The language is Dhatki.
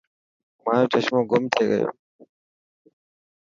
مايو چشمو گم ٿي گيو.